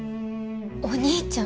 お兄ちゃん！？